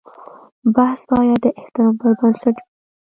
بحث باید د احترام پر بنسټ وي.